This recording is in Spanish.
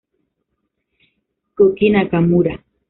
Koki Nakamura